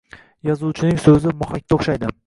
Yozuvchining so’zi mohakka o’xshaydi.